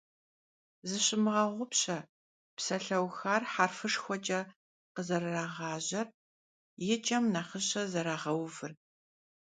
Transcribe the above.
Zışıvmığeğupşe psalheuxaxer herfışşxueç'e khızerırağajer, yi ç'emi nağışe zerağeuvır.